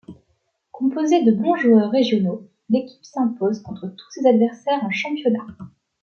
Composée de bons joueurs régionaux, l'équipe s'impose contre tous ses adversaires en championnat.